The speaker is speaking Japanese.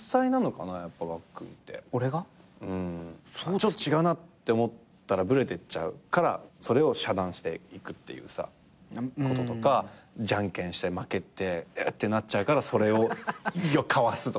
ちょっと違うなって思ったらブレてっちゃうからそれを遮断していくっていうこととかじゃんけんして負けてウッてなっちゃうからそれをかわすとかさ。